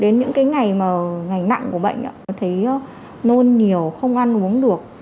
đến những ngày nặng của bệnh thấy nôn nhiều không ăn uống được